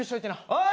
おい！